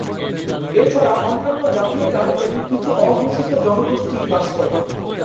এছাড়া অন্যান্য জাতীয়তার এবং কিছু অঘোষিত জনগোষ্ঠী বাস করে।